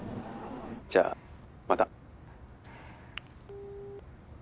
じゃあまた。